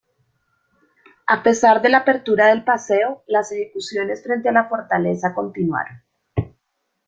A pesar de la apertura del paseo, las ejecuciones frente a la fortaleza continuaron.